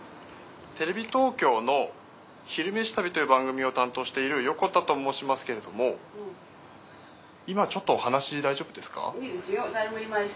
テレビ東京の「昼めし旅」という番組を担当している横田と申しますけれども今ちょっとお話大丈夫ですか？